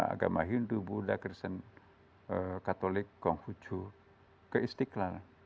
agama hindu buddha christian katolik kongfu jew ke istiqlal